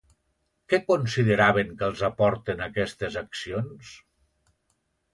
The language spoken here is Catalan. Què consideraven que els aporten aquestes accions?